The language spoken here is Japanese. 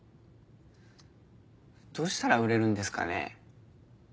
どうしたら売れるんですかね？